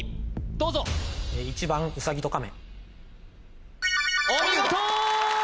どうぞ１番ウサギとカメお見事！